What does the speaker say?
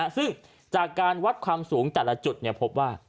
ซึ่งจากการวัดความสูงแต่ละจุดพบว่า